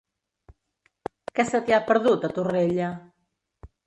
Què se t'hi ha perdut, a Torrella?